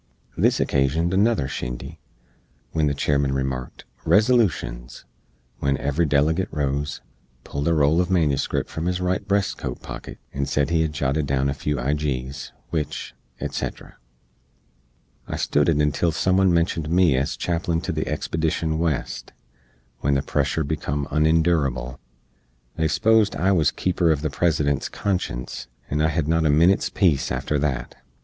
This occasioned another shindy; wen the Chairman remarked "Resolushens," wen every delegate rose, pulled a roll uv manuscript from his right breast coat pocket, and sed he hed jotted down a few ijees, wich, etc. I stood it until some one mentioned me ez Chaplin to the expedition West, when the pressure becum unendurable. They sposed I was keeper uv the President's conscience, and I hed not a minit's peece after that.